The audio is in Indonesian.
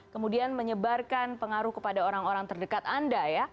kemudian menyebarkan pengaruh kepada orang orang terdekat anda ya